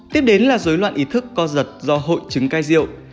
tiếp đến là dối loạn ý thức co giật do hội chứng cai rượu